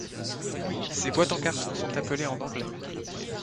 Ces boîtes en carton sont appelées en anglais.